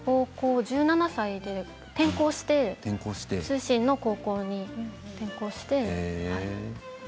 １７歳で転校して通信の高校に転校して。